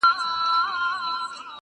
• شاعر، ناول لیکونکی -